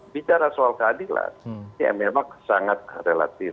bicara soal keadilan ini memang sangat relatif